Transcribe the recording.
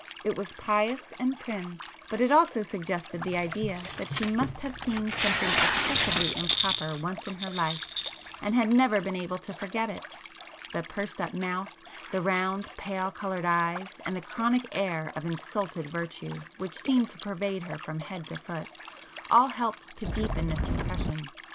It was pious and prim, but it also suggested the idea that she must [p 127] have seen something excessively improper once in her life and had never been able to forget it. The pursed up mouth, the round pale coloured eyes and the chronic air of insulted virtue which seemed to pervade her from head to foot all helped to deepen this impression.